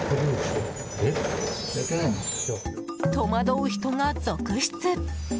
戸惑う人が続出。